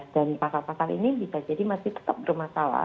dan pasal pasal ini bisa jadi masih tetap bermasalah